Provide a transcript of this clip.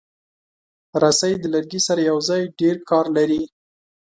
رسۍ د لرګي سره یوځای ډېر کار لري.